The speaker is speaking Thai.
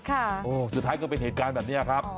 โอ้สุดท้ายก็เป็นเหตุการณ์แบบนี้ครับ